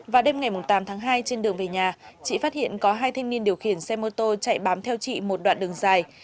vào đêm ngày tám tháng hai trên đường về nhà chị phát hiện có hai thanh niên điều khiển xe mô tô chạy bám theo chị một đoạn đường dài